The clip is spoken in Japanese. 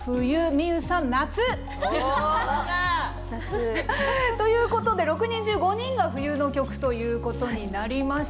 ｍｉｙｏｕさん夏！ということで６人中５人が冬の曲ということになりました。